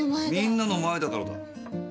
みんなの前だからだ。